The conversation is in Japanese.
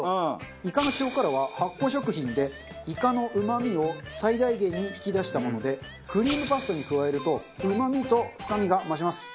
イカの塩辛は発酵食品でイカのうまみを最大限に引き出したものでクリームパスタに加えるとうまみと深みが増します。